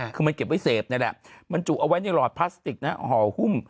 คือมันเก็บไว้เสพนี่แหละบรรจุเอาไว้ในหลอดพลาสติกนะห่อหุ้ม